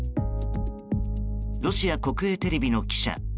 ロシア国営テレビの記者。